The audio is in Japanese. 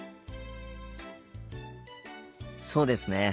そうですね。